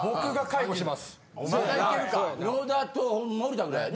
野田と森田ぐらいやな。